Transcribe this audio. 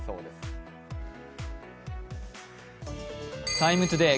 「ＴＩＭＥ，ＴＯＤＡＹ」